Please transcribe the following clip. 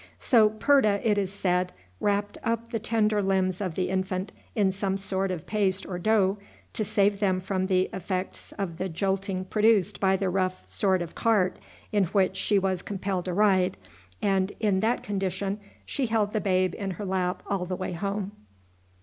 So Purta, it is said, wrapped up the tender limbs of the infant in some sort of paste or dough, to save them from the effects of the jolting produced by the rough sort of cart in which she was compelled to ride, and in that condition she held the babe in her lap all the way home.